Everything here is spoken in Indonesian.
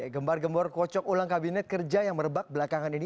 gembar gembor kocok ulang kabinet kerja yang merebak belakangan ini